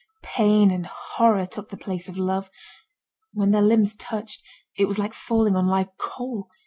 Pain and horror took the place of love. When their limbs touched, it was like falling on live coal.